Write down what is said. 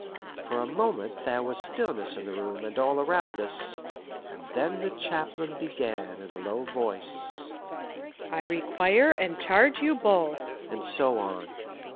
For a moment there was stillness in the room and all around us, and then the chaplain began in a low voice: "I require and charge you both " and so on.